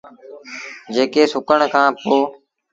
جيڪي سُڪڻ کآݩ پو۔